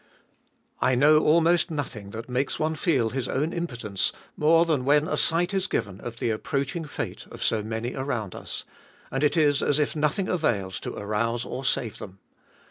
7. / know almost nothing that makes one feel his own impotence more than when a sight is given of the approaching fate of so many around us, and it is as if nothing avails to arouse or saue them.